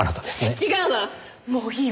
違うわ！